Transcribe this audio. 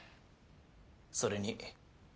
それに。